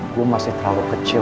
gue masih terlalu kecil